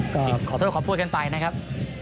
ก็ขอโทษขอพูดกันไปนะครับ